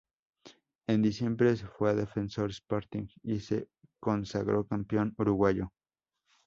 En diciembre se fue a Defensor Sporting y se consagró campeón uruguayo.